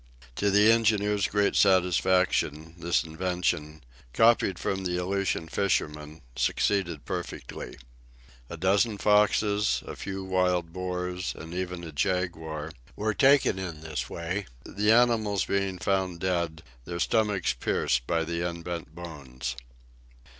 To the engineer's great satisfaction, this invention, copied from the Aleutian fishermen, succeeded perfectly. A dozen foxes, a few wild boars, and even a jaguar, were taken in this way, the animals being found dead, their stomachs pierced by the unbent bones.